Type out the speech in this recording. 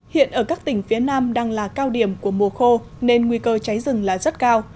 hiện ở các tỉnh phía nam đang là cao điểm của mùa khô nên nguy cơ cháy rừng là rất cao